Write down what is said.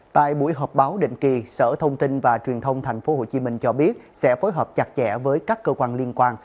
tại buổi họp báo định kỳ sở thông tin và truyền thông tp hcm cho biết sẽ phối hợp chặt chẽ với các cơ quan liên quan